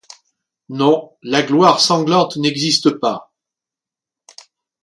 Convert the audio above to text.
Non, la gloire sanglante n'existe pas.